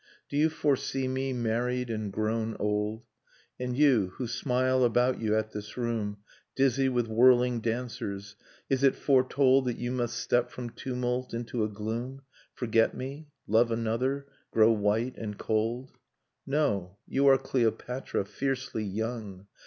Do you foresee me, married and grown old ?... And you, who smile about you at this room Nocturne of Remembered Spring Dizzy with whirling dancers — is it foretold That you must step from tumult into a gloom, Forget me, love another, grow white and cold? No, you are Cleopatra, fiercely young.